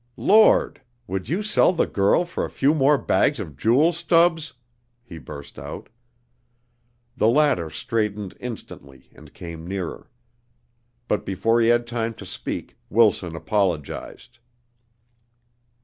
"Lord! would you sell the girl for a few more bags of jewels, Stubbs?" he burst out. The latter straightened instantly and came nearer. But before he had time to speak, Wilson apologized.